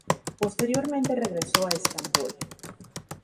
Posteriormente regresó a Estambul.